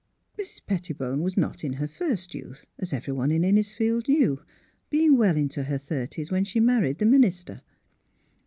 Mrs. Pettibone was not in her first youth, as everyone in Innisfield knew, being well into her thirties when she married the minister.